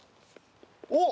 おっ！